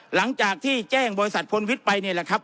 หลังจากที่แจ้งบริษัทพลวิทย์ไปนี่แหละครับ